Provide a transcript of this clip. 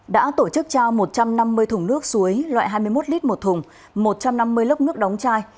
đã tổ chức trao một trăm năm mươi thùng nước suối loại hai mươi một lít một thùng một trăm năm mươi lốc nước đóng chai